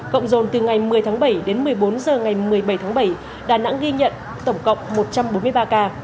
cộng dồn từ ngày một mươi tháng bảy đến một mươi bốn h ngày một mươi bảy tháng bảy đà nẵng ghi nhận tổng cộng một trăm bốn mươi ba ca